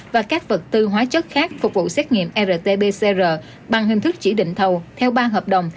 và các vật tư hóa chất khác phục vụ xét nghiệm rt pcr bằng hình thức chỉ định thầu theo ba hợp đồng